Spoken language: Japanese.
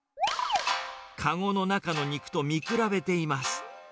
籠の中の肉と見比べています。